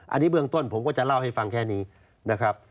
อันนี้เบื้องต้นผมก็จะเล่าให้ฟังแค่นี้นะครับ